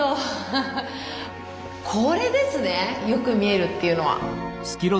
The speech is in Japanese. フフッこれですねよく見えるっていうのは。